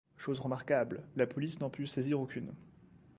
Chose remarquable, la police n'en put saisir aucune.